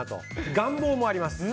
願望もあります。